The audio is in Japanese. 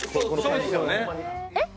えっ！